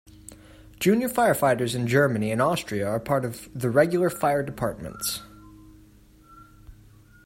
Junior firefighters in Germany and Austria are part of the regular fire departments.